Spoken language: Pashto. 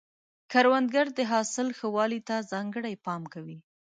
کروندګر د حاصل ښه والي ته ځانګړی پام کوي